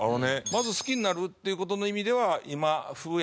まず好きになるっていう事の意味では今風やし。